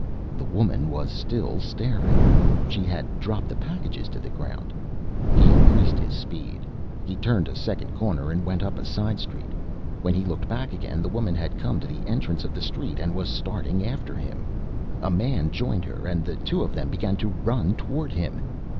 The woman was still staring; she had dropped the packages to the ground. He increased his speed. He turned a second corner and went up a side street. When he looked back again the woman had come to the entrance of the street and was starting after him. A man joined her, and the two of them began to run toward him.